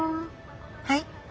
はい？